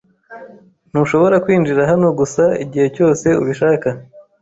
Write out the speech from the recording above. Ntushobora kwinjira hano gusa igihe cyose ubishaka.